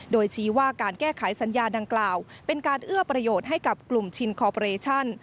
โดยชี้ว่าการแก้ไขสัญญาดังกล่าวเป็นการเอื้อประโยชน์ให้กับกลุ่มชินคอเปรชั่น